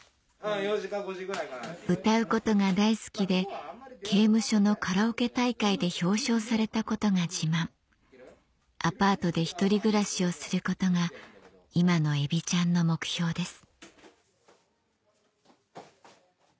歌うことが大好きで刑務所のカラオケ大会で表彰されたことが自慢アパートで１人暮らしをすることが今のエビちゃんの目標です